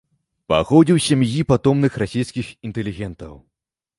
Паходзіў з сям'і патомных расійскіх інтэлігентаў.